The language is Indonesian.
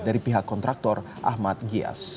dari pihak kontraktor ahmad giyas